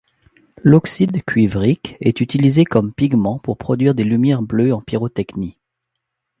L'oxyde cuivrique est utilisé comme pigment pour produire des lumières bleues en pyrotechnie.